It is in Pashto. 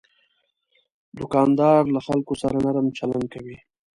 دوکاندار له خلکو سره نرم چلند کوي.